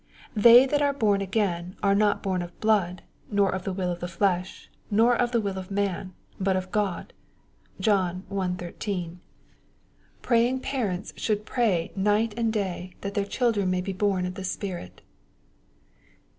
They that are born again are not born of bloody nor of 4 EXPOSITOBT THDUaHTS. the will of the flesh, nor of the will of man, hut of Ood. (John i. 13.) Praying parents should pray night and day, that their children may he bom of the Spirit.